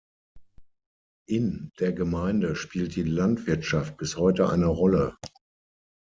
In der Gemeinde spielt die Landwirtschaft bis heute eine Rolle.